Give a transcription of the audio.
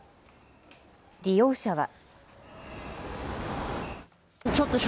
利用者は。